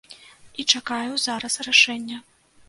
І чакаю зараз рашэння.